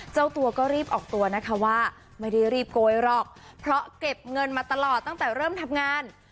เจ้าตัวก็รีบออกตัวนะคะว่าไม่ได้รีบโกยหรอกเพราะเก็บเงินมาตลอดตั้งแต่เริ่มทำงาน